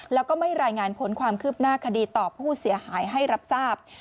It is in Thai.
แล้วก็ไม่รายงานผลความคืบหน้าคดีต่อผู้เสียหายให้รับทราบ